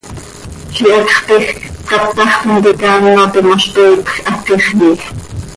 Ziix hacx tiij catax tintica áno timoz, tooipj, haquix yiij.